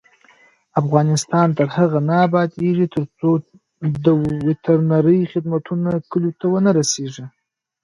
افغانستان تر هغو نه ابادیږي، ترڅو د وترنري خدمتونه کلیو ته ونه رسیږي.